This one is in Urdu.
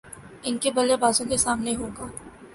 ان کے بلے بازوں کے سامنے ہو گا